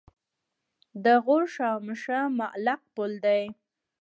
د غور شاهمشه معلق پل دی